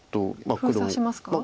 封鎖しますか？